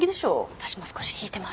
私も少し引いてます。